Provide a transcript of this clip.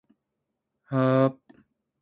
宮城県七ヶ宿町